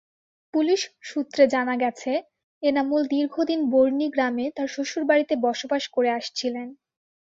Police সূত্রে জানা গেছে, এনামুল দীর্ঘদিন বর্ণী গ্রামে তাঁর শ্বশুরবাড়িতে বসবাস করে আসছিলেন।